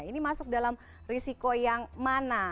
ini masuk dalam risiko yang mana